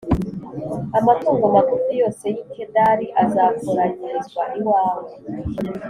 amatungo magufi yose y’i kedari azakoranyirizwa iwawe,